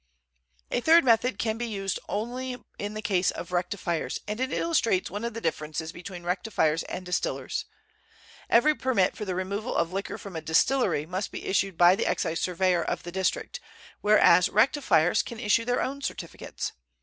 "A third method can be used only in the case of rectifiers and it illustrates one of the differences between rectifiers and distillers. Every permit for the removal of liquor from a distillery must be issued by the excise surveyor of the district, whereas rectifiers can issue their own certificates.